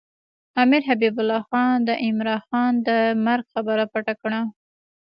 امیر حبیب الله خان د عمرا خان د مرګ خبره پټه کړې.